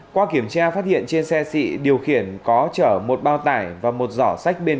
qua kiểm tra phát hiện trên xe sị điều khiển có chở một bao tải và một giỏ sách bên